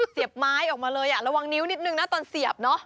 เสียบไม้ออกมาเลยระวังนิ้วนิดนึงนะตอนเสียบเนอะ